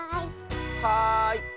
はい。